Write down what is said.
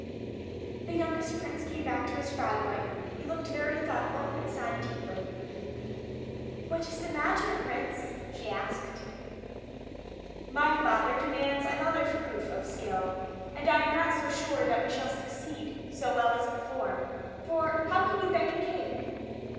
The youngest prince came back to his frog wife; he looked very thoughtful, and sighed deeply. "What is the matter, prince?" she asked. "My father demands another proof of skill; and I am not so sure that we shall succeed so well as before; for how can you bake a cake?"